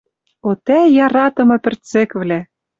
О тӓ, яратымы пӹрцӹквлӓ!